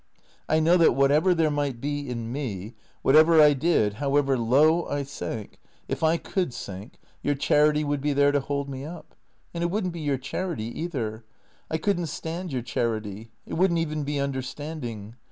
I know that, whatever there might be in me, whatever I did, however low I sank — if I could sink — your charity would be there to hold me up. And it would n't be your charity, either. I could n't stand your charity. It would n't even be understanding.